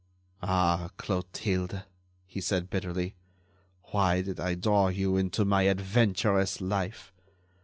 "Ah, Clotilde," he said, bitterly, "why did I draw you into my adventurous life?